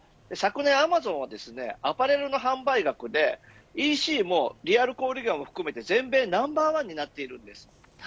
昨年アマゾンはアパレルの販売額でＥＣもリアル小売業も含めて全米ナンバーワンになっています。